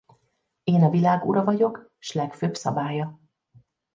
Én a világ ura vagyok s legfőbb szabálya.